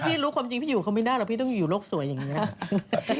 รู้ความจริงพี่อยู่เขาไม่ได้หรอกพี่ต้องอยู่โลกสวยอย่างนี้